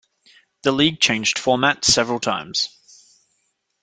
The league changed format several times.